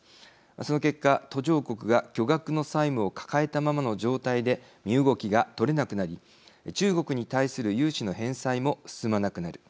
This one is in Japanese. その結果、途上国が巨額の債務を抱えたままの状態で身動きが取れなくなり中国に対する融資の返済も進まなくなる。